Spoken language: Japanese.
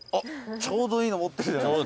ちょうどいいの持ってるじゃないですか」